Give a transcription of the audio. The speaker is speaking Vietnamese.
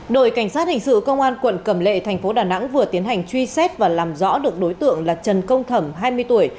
đội cảnh sát hình sự công an quận cầm lệ thành phố đà nẵng vừa tiến hành truy xét và làm rõ được đối tượng là trần công thẩm hai mươi tuổi